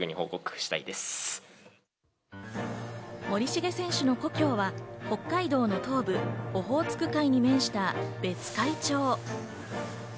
森重選手の故郷は北海道の東部、オホーツク海に面した別海町。